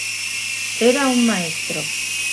Era un maestro.